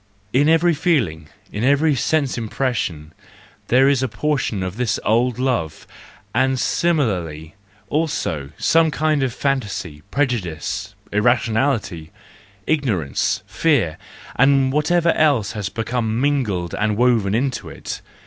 In every feeling, in every sense impres¬ sion, there is a portion of this old love: and similarly also some kind of fantasy, prejudice, irrationality, ignorance, fear, and whatever else has become mingled and woven into it.